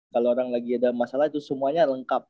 kalau orang lagi ada masalah itu semuanya lengkap